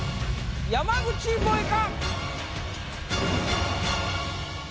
山口もえか？